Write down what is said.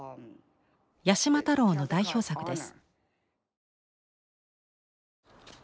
八島太郎の代表作です。